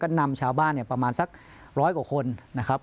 ก็นำชาวบ้านเนี่ยประมาณสักร้อยกว่าคนนะครับ